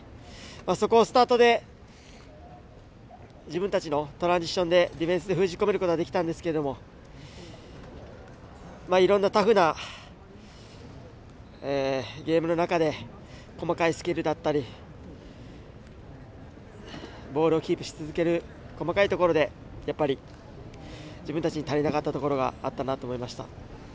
そこをスタートで自分たちのトランジションでディフェンス封じ込むことができたんですけどいろんなタフなゲームの中で細かいスキルだったりボールをキープし続ける細かいところでやっぱり、自分たちに足りないところがあったなと思いました。